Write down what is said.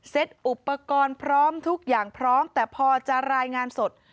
อุปกรณ์พร้อมทุกอย่างพร้อมแต่พอจะรายงานสด